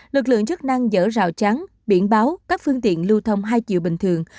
lực lượng chức năng dở rào trắng biển báo các phương tiện lưu thông hai chiều bình thường